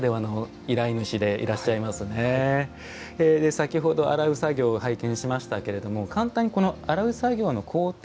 先ほど洗う作業を拝見しましたけれども簡単にこの洗う作業の工程